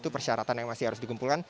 persyaratan yang masih harus dikumpulkan